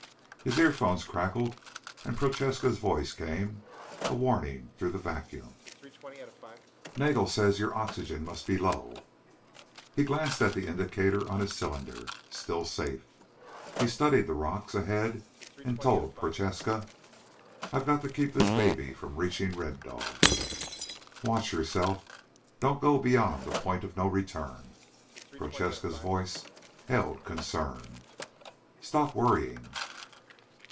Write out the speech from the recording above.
His earphones crackled and Prochaska's voice came, a warning through the vacuum: "Nagel says your oxygen must be low." He glanced at the indicator on his cylinder. Still safe. He studied the rocks ahead and told Prochaska: "I've got to keep this baby from reaching Red Dog." "Watch yourself. Don't go beyond the point of no return." Prochaska's voice held concern. "Stop worrying."